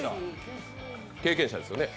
経験者ですよね？